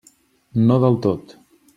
No del tot.